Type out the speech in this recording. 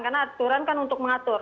karena aturan kan untuk mengatur